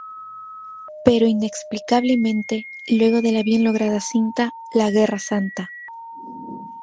Pero inexplicablemente, luego de la bien lograda cinta: La guerra santa.